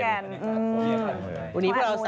โหวันนี้เขาเป็นเครน